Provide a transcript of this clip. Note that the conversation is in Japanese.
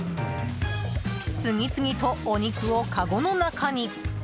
次々と、お肉をかごの中に。